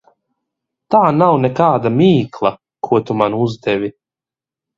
Tā nav nekāda mīkla, ko tu man uzdevi.